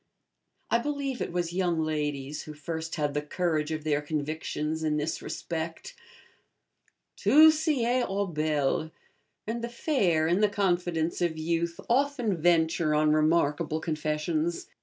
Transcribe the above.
I believe it was young ladies who first had the courage of their convictions in this respect. 'Tout sied aux belles,' and the fair, in the confidence of youth, often venture on remarkable confessions.